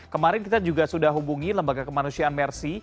kemarin kita juga sudah hubungi lembaga kemanusiaan mersi